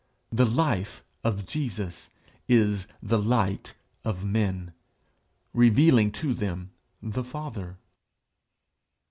The life of Jesus is the light of men, revealing to them the Father.